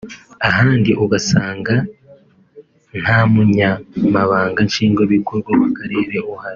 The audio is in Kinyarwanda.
ahandi ugasanga nta Munyamabanga Nshingwabikorwa w’Akarere uhari